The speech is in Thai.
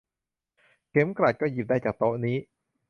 เข็มกลัดก็หยิบได้จากโต๊ะนี้